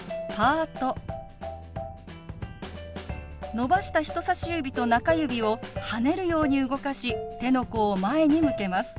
伸ばした人さし指と中指を跳ねるように動かし手の甲を前に向けます。